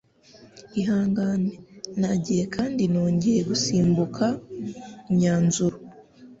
Ihangane, Nagiye kandi nongeye gusimbuka imyanzuro.